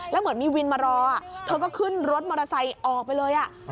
แล้วเหมือนมีวินมารอเธอก็ขึ้นรถมอเตอร์ไซค์ออกไปเลย